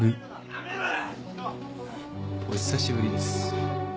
お久しぶりです